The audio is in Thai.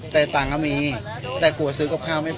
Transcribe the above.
แต่ต่างก็มีแต่กลัวซื้อกับข้าวไม่พอ